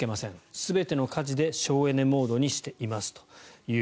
全ての家電で省エネモードにしていますと。